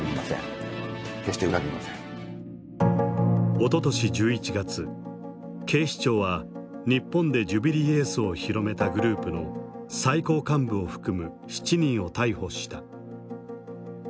おととし１１月警視庁は日本でジュビリーエースを広めたグループの最高幹部を含む７人を逮捕した。